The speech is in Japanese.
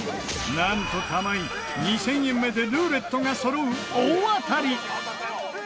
なんと、玉井、２０００円目でルーレットがそろう大当たり！